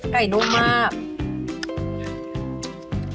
ไก่รุ้มมาก